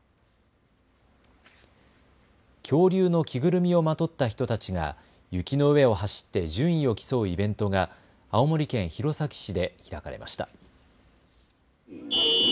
恐竜の着ぐるみをまとった人たちが雪の上を走って順位を競うイベントが青森県弘前市で開かれました。